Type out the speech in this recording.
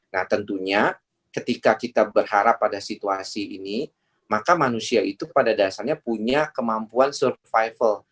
nah tentunya ketika kita berharap pada situasi ini maka manusia itu pada dasarnya punya kemampuan survival